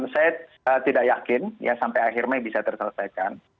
saya tidak yakin sampai akhirnya bisa terselesaikan